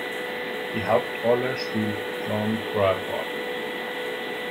Die Hauptrolle spielt Joan Crawford.